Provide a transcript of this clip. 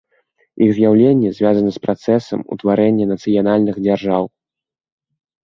Іх з'яўленне звязана з працэсам утварэння нацыянальных дзяржаў.